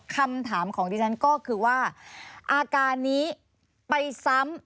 คำถามของดิฉันก็คือว่าอาการนี้ไปซ้ำ